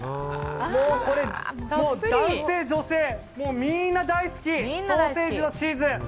これ、男性、女性みんな大好きソーセージとチーズ。